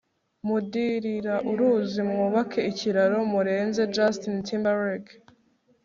mundirira uruzi, mwubake ikiraro, murenze - justin timberlake